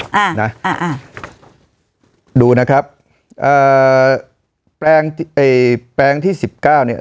อ่าอ่าดูนะครับอ่าแปลงเอ่ยแปลงที่สิบเก้าเนี้ย